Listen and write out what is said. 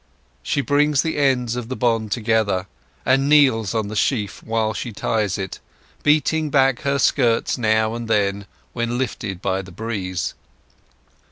She brings the ends of the bond together, and kneels on the sheaf while she ties it, beating back her skirts now and then when lifted by the breeze.